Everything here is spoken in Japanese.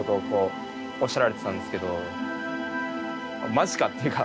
「マジか」っていうか。